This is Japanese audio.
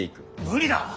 無理だ。